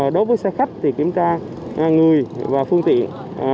đối với xe khách thì kiểm tra người và phương tiện